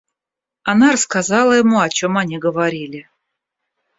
Она рассказала ему, о чем они говорили.